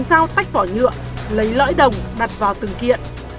dùng dao tách vỏ nhựa lấy lõi đồng đặt vào từng kiện